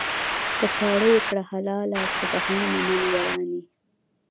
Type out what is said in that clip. "په چاړه یې کړه حلاله سبحان من یرانی".